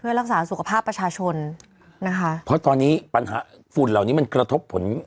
รักษาสุขภาพประชาชนนะคะเพราะตอนนี้ปัญหาฝุ่นเหล่านี้มันกระทบผล